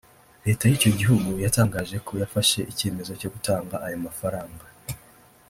Leta y’icyo gihugu yatangaje ko yafashe icyemezo cyo gutanga aya mafaranga